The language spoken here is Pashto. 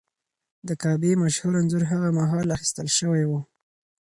د کعبې مشهور انځور هغه مهال اخیستل شوی و.